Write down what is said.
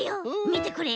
みてこれ。